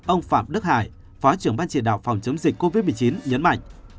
ông phạm đức hải phó trưởng ban chỉ đạo phòng chống dịch covid một mươi chín nhấn mạnh